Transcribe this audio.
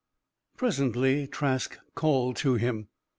Presently, Trask called to him.